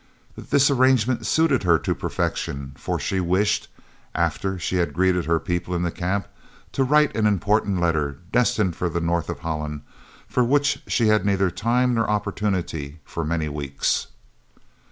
This arrangement suited her to perfection, for she wished, after she had greeted her people in the Camp, to write an important letter, destined for the north of Holland, for which she had had neither time nor opportunity for many weeks.